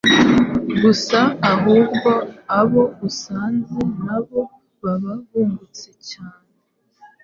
gusa ahubwo abo asanze nabo baba bungutse cyane.